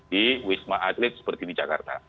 di wisma atlet seperti di jakarta